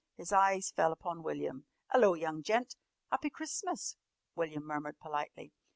His eyes fell upon William. "'Ello young gent!" "Happy Christmas," William murmured politely.